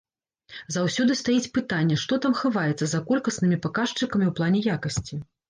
Заўсёды стаіць пытанне, што там хаваецца за колькаснымі паказчыкамі ў плане якасці.